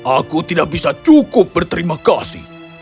aku tidak bisa cukup berterima kasih